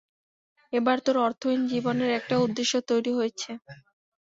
এবার তোর অর্থহীন জীবনের একটা উদ্দেশ্য তৈরি হয়েছে।